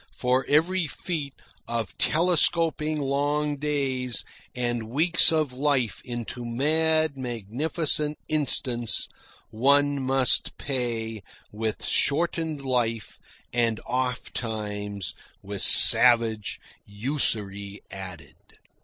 For every feat of telescoping long days and weeks of life into mad magnificent instants, one must pay with shortened life, and, oft times, with savage usury added.